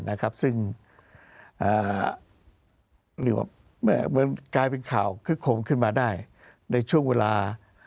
เหมือนกลายเป็นข่าวขึ้นมาได้ในช่วงเวลา